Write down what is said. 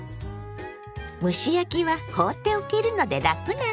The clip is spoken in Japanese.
蒸し焼きは放っておけるので楽なの。